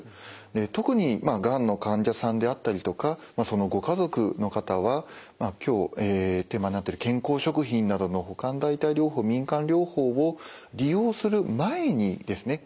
特にがんの患者さんであったりとかそのご家族の方は今日テーマになってる健康食品などの補完代替療法民間療法を利用する前にですね是非相談をしていただきたいと思います。